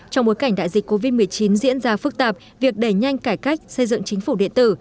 trong bối cảnh đại dịch covid một mươi chín diễn ra phức tạp việc đẩy nhanh cải cách xây dựng chính phủ điện tử